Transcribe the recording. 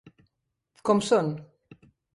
Com són?